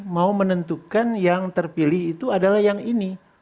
mau menentukan yang terpilih itu adalah yang ini